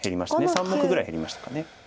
３目ぐらい減りましたか。